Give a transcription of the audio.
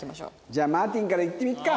じゃあマーティンからいってみるか！